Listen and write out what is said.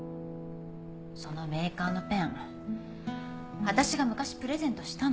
そのメーカーのペン私が昔プレゼントしたの。